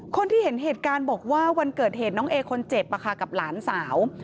คนที่เห็นเหตุการณ์บอกว่าวันเกิดเหตุน้องเอคนเจ็บกับหลานสาว